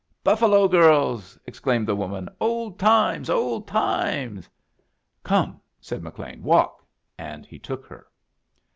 "'Buffalo Girls!'" exclaimed the woman. "Old times! Old times!" "Come," said McLean. "Walk." And he took her.